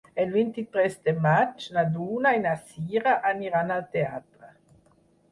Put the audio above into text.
El vint-i-tres de maig na Duna i na Sira aniran al teatre.